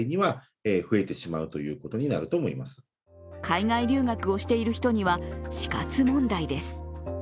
海外留学をしている人には死活問題です。